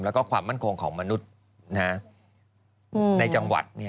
แล้วก็ความมั่นคงของมนุษย์ในจังหวัด